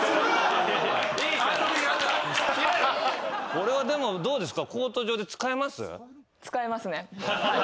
これはでもどうですか？